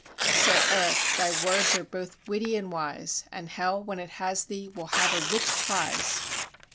"Sir Erik, thy words are both witty and wise, And hell, when it has thee, will have a rich prize!